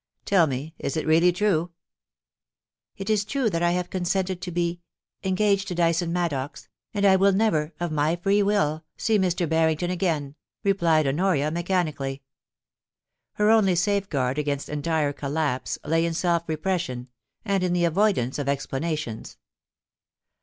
Tell me, is it really true ?* It is true th t I have consented to be — engaged to Dyson Maddox, and I will never, of my free will, see Mr. Barrington again,' replied Honoria, mechanically. Her only safeguard against entire collapse lay in self repression, and in the avoidance of explanations.